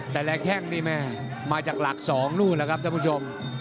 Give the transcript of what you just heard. แต่ละแข่งนี่มาจากหลัก๒นู่นล่ะครับท่านผู้ชม